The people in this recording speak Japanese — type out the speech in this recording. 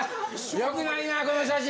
良くないなこの写真。